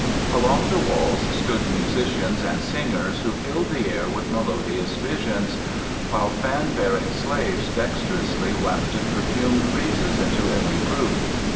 Along the walls stood musicians and singers who filled the air with melodious visions, while fan bearing slaves dexterously wafted perfumed breezes into every group.